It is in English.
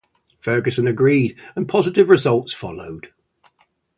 Ferguson agreed, and positive results followed.